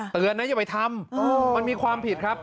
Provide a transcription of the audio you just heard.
เตือนนะอย่าไปทำมันมีความผิดครับ